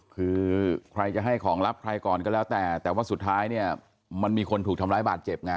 คือใครจะให้ของรับใครก่อนก็แล้วแต่แต่ว่าสุดท้ายเนี่ยมันมีคนถูกทำร้ายบาดเจ็บไง